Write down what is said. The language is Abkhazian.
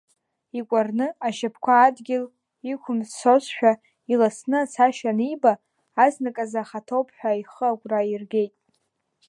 Икәарны, ашьапқәа адгьыл иқәымсӡозшәа иласны ацашьа аниба, азнык азы ахаҭоуп ҳәа ихы агәра аиргеит.